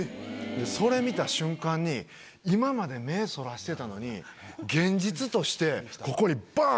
それ見た瞬間に今まで目そらしてたのに現実としてここにバン！